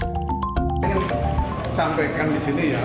saya ingin sampaikan disini ya